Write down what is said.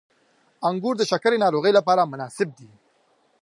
• انګور د شکرې ناروغۍ لپاره مناسب دي.